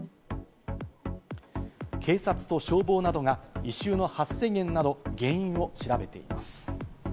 警察と消防などが異臭の発生源など原因を調べています。